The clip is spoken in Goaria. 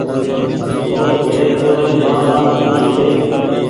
اور ڀيڙي اوري مآن ٻآپ بي هيتي